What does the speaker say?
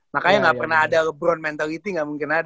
makanya gak pernah ada lebron mentaliti gak mungkin ada